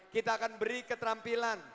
kita akan beri keterampilan